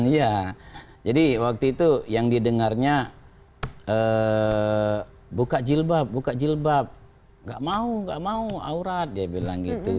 iya jadi waktu itu yang didengarnya buka jilbab buka jilbab nggak mau nggak mau aurat dia bilang gitu